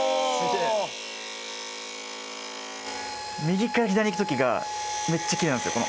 右から左にいく時がめっちゃきれいなんですよ。